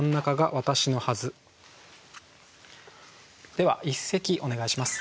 では一席お願いします。